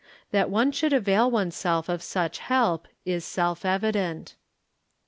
That one should avail oneself of such help is self evident.